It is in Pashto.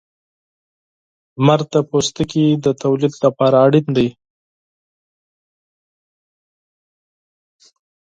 • لمر د پوستکي د تولید لپاره اړین دی.